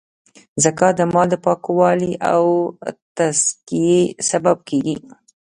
زکات د مال د پاکوالې او تذکیې سبب کیږی.